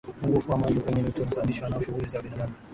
upungufu wa maji kwenye mito unasababishwa na shughuli za binadamu